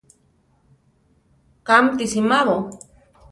Kámi ti simabo?